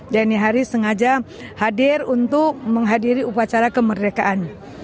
dan hari ini sengaja hadir untuk menghadiri upacara kemerdekaan